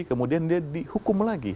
kemudian dia dihukum lagi